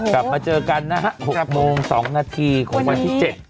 กลับมาเจอกันนะฮะ๖โมง๒นาทีของวันที่๗